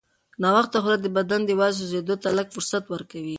ناوخته خوراک د بدن د وازدې سوځېدو ته لږ فرصت ورکوي.